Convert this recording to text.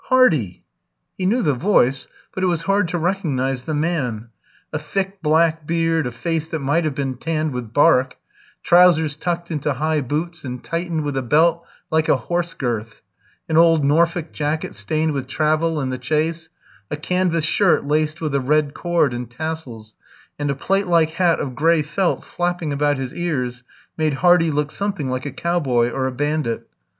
"Hardy!" He knew the voice, but it was hard to recognise the man. A thick black beard, a face that might have been tanned with bark, trousers tucked into high boots, and tightened with a belt like a horse girth, an old Norfolk jacket stained with travel and the chase, a canvas shirt laced with a red cord and tassels, and a plate like hat of grey felt flapping about his ears, made Hardy look something like a cowboy or a bandit.